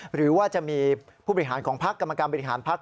หรือว่าจะมีผู้บริหารของพักกรรมการบริหารพักษ